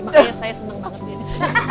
makanya saya seneng banget disini